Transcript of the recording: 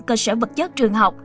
cơ sở vật chất trường học